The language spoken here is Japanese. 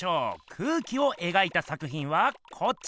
空気を描いた作ひんはこっち！